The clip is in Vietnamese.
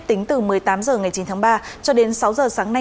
tính từ một mươi tám h ngày chín tháng ba cho đến sáu h sáng nay